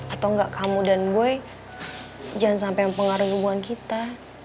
atau gak kamu dan gue jangan sampai yang pengaruh hubungan kita